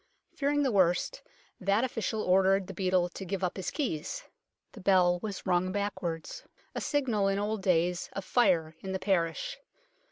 Fearing the worst, that official ordered the beadle to give up his keys. The bell was rung backwards, a signal in old days of fire in the parish.